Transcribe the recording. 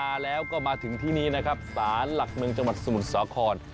มาแล้วก็มาถึงที่นี้นะครับศาลหลักเมืองจังหวัดสมุทรสาคร